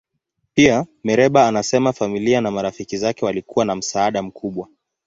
Pia, Mereba anasema familia na marafiki zake walikuwa na msaada mkubwa.